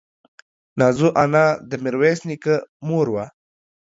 نازو انا د ميرويس نيکه مور وه.